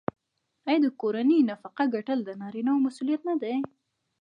آیا د کورنۍ نفقه ګټل د نارینه مسوولیت نه دی؟